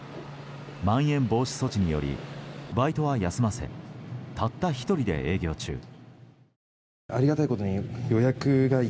まん延防止措置によりバイトは休ませたった１人で営業中。